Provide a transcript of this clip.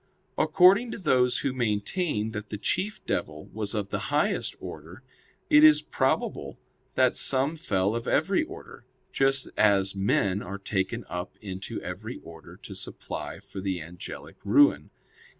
According to those who maintain that the chief devil was of the highest order, it is probable that some fell of every order; just as men are taken up into every order to supply for the angelic ruin.